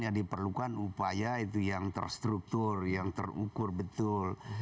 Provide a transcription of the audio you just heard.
yang diperlukan upaya itu yang terstruktur yang terukur betul